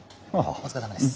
お疲れさまです。